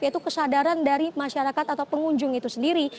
yaitu kesadaran dari masyarakat atau pengunjung itu sendiri